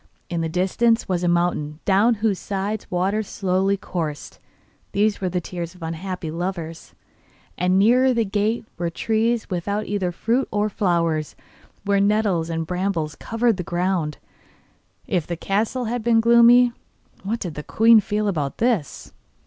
In the distance was a mountain down whose sides waters slowly coursed these were the tears of unhappy lovers and nearer the gate were trees without either fruit of flowers, while nettles and brambles covered the ground. If the castle had been gloomy, what did the queen feel about this?